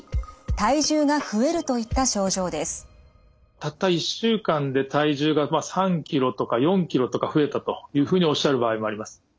たった１週間で体重が３ｋｇとか４ｋｇとか増えたというふうにおっしゃる場合もあります。